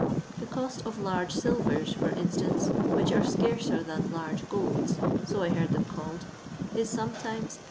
The cost of "large silvers," for instance, which are scarcer than " large golds," so I heard them called, is sometimes 5«.